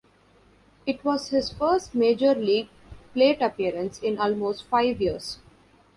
It was his first major league plate appearance in almost five years.